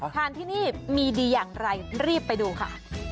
ทานที่นี่มีดีอย่างไรรีบไปดูค่ะ